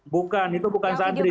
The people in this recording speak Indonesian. bukan itu bukan santri